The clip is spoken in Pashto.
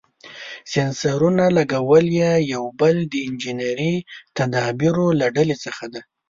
د سېنسرونو لګول یې یو بل د انجنیري تدابیرو له ډلې څخه دی.